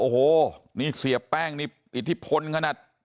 โอ้โหนี่เสียแป้งนี่อิทธิพลขนาด